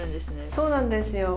そうなんですよ。